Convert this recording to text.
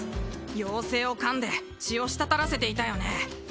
妖精を噛んで血を滴らせていたよね